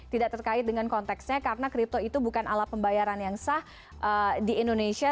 tidak terkait dengan konteksnya karena kripto itu bukan alat pembayaran yang sah di indonesia